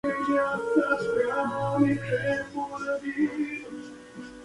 Debido a factores tecnológicos, biológicos y medioambientales, están considerados como organismos nuevos.